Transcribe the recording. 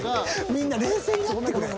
［みんな冷静になってくれ］